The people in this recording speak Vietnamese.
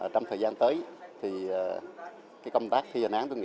trong thời gian tới thì